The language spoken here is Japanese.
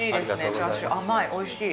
チャーシュー、甘い、おいしい。